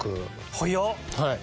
早っ！